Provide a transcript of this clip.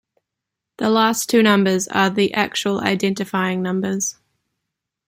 The last two numbers are the actual identifying numbers.